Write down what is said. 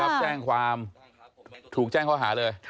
ไม่รับแจ้งความถูกแจ้งเขาหาเลย